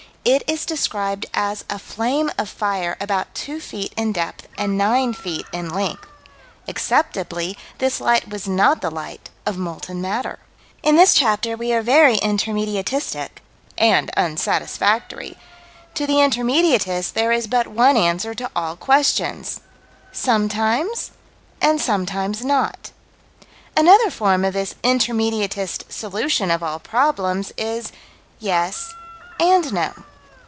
It is described as "a flame of fire about two feet in depth and nine feet in length." Acceptably this light was not the light of molten matter. In this chapter we are very intermediatistic and unsatisfactory. To the intermediatist there is but one answer to all questions: Sometimes and sometimes not. Another form of this intermediatist "solution" of all problems is: Yes and no.